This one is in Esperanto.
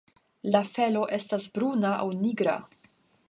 La felo estas bruna aŭ nigra.